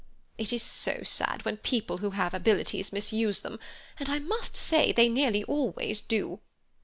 It is so sad when people who have abilities misuse them, and I must say they nearly always do.